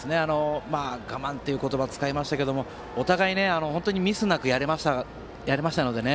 我慢という言葉を使いましたけれども、お互いにミスなくやれましたのでね。